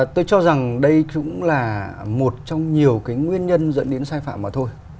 tôi cho rằng đây cũng là một trong nhiều cái nguyên nhân dẫn đến sai phạm mà thôi